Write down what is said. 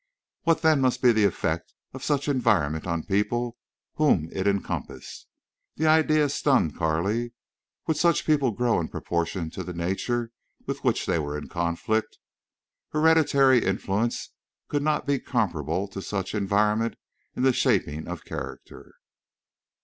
What then must be the effect of such environment on people whom it encompassed? The idea stunned Carley. Would such people grow in proportion to the nature with which they were in conflict? Hereditary influence could not be comparable to such environment in the shaping of character.